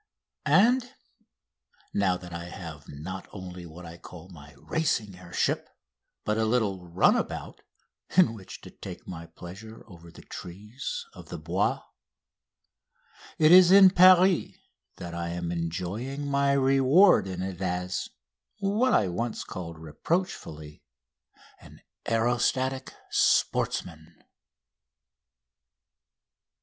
And, now that I have not only what I call my racing air ship but a little "runabout," in which to take my pleasure over the trees of the Bois, it is in Paris that I am enjoying my reward in it as what I was once called reproachfully an "aerostatic sportsman!"